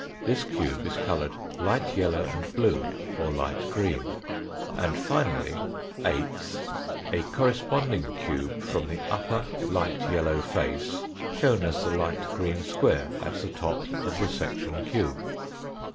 This cube is coloured light yellow and blue or light green ; and, finally, eighth, a corresponding cube from the upper light yellow face, shown as the light green square at the top of the section cube.